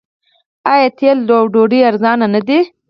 آیا تیل او ډوډۍ ارزانه نه دي؟